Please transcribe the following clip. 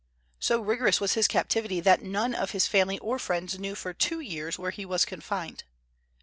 So rigorous was his captivity that none of his family or friends knew for two years where he was confined.